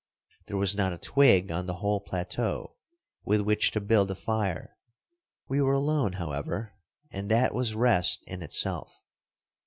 There was not a twig on the whole plateau with which to build a fire. We were alone, however, and that was rest in itself.